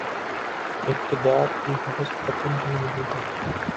اقتدار کی ہوس ختم ہی نہیں ہوتی